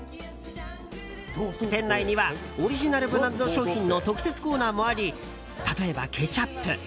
店内にはオリジナルブランド商品の特設コーナーもあり例えば、ケチャップ。